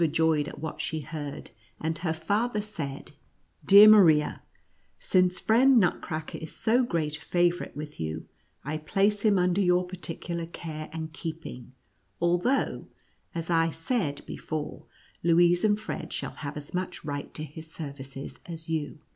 21 joyed at what she heard, and her father said, " Dear Maria, since friend Nutcracker is so great a favorite with you, I place him under your par ticular care and keeping, although, as I said be fore, Louise and Fred shall have as much right to his services as you."